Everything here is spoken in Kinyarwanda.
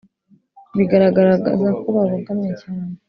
bigaragaza ko babogamye cyane